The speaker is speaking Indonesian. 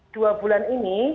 dua bulan ini